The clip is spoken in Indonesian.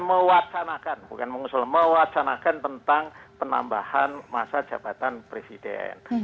mewacanakan bukan mengusul mewacanakan tentang penambahan masa jabatan presiden